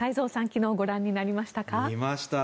昨日、ご覧になりましたか。